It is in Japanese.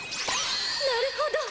なるほど！